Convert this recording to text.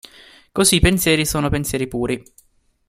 Così i pensieri sono pensieri puri.